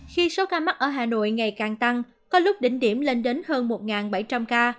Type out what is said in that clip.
khi số ca mắc ở hà nội ngày càng tăng có lúc đỉnh điểm lên đến hơn một bảy trăm linh ca